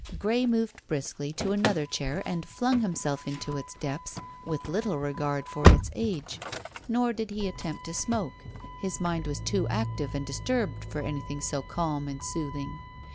Grey moved briskly to another chair and flung himself into its depths with little regard for its age. Nor did he attempt to smoke. His mind was too active and disturbed for anything so calm and soothing.